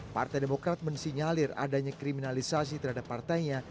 partai demokrat mensinyalir adanya kriminalisasi terhadap partainya